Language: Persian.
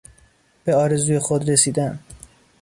به آرزوی خود رسیدن